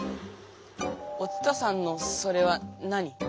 お伝さんのそれは何？